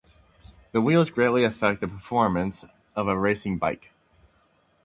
The wheels greatly affect the performance of a racing bike.